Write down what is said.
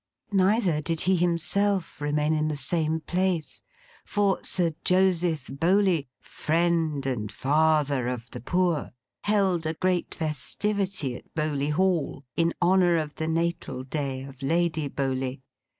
Neither did he himself remain in the same place; for, Sir Joseph Bowley, Friend and Father of the Poor, held a great festivity at Bowley Hall, in honour of the natal day of Lady Bowley.